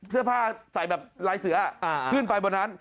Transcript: เสื้อผ้าใส่แบบลายเสือขึ้นไปบนนั้น